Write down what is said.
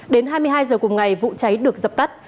đến hai mươi hai h cùng ngày vụ cháy được dập tắt